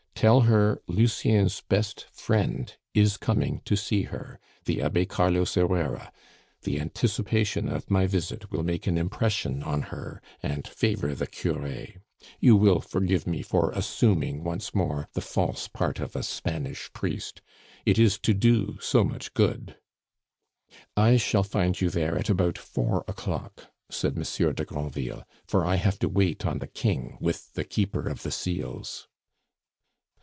Tell her Lucien's best friend is coming to see her, the Abbe Carlos Herrera; the anticipation of my visit will make an impression on her and favor the cure. You will forgive me for assuming once more the false part of a Spanish priest; it is to do so much good!" "I shall find you there at about four o'clock," said Monsieur de Granville, "for I have to wait on the King with the Keeper of the Seals."